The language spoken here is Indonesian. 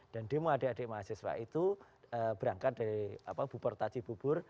dan demo adik adik mahasiswa itu berangkat dari bubur taci bubur